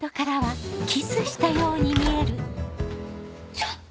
ちょっと！